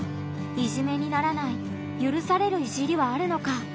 「いじめ」にならないゆるされる「いじり」はあるのか。